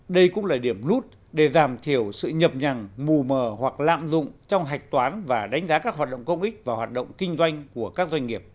đây cũng là điểm nút để giảm thiểu sự nhập nhằng mù mờ hoặc lạm dụng trong hạch toán và đánh giá các hoạt động công ích và hoạt động kinh doanh của các doanh nghiệp